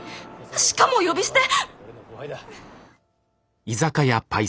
しかも呼び捨て？